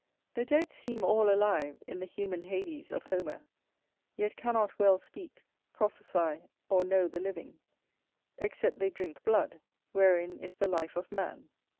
The dead seem all alive in the human Hades of Homer, yet cannot well speak, prophecy, or know the living, except they drink blood, wherein is the life of man.